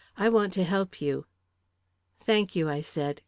I want to help you." "Thank you," I said.